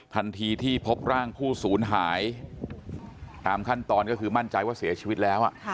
ทันทีที่พบร่างผู้สูญหายตามขั้นตอนก็คือมั่นใจว่าเสียชีวิตแล้ว